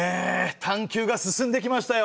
探究が進んできましたよ。